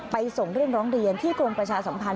ส่งเรื่องร้องเรียนที่กรมประชาสัมพันธ